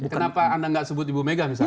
kenapa anda nggak sebut ibu mega misalnya